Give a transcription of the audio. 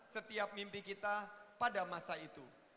setiap mimpi kita pada masa itu